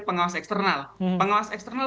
pengawas eksternal pengawas eksternal